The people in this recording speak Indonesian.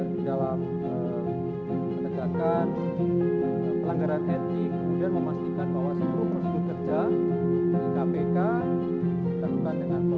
di dalam menegakkan pelanggaran etik kemudian memastikan bahwa seluruh prosedur kerja di kpk